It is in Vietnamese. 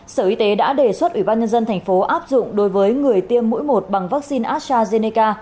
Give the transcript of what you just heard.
sở y tế đã đề xuất ủy ban nhân dân thành phố áp dụng đối với người tiêm mũi một bằng vaccine astrazeneca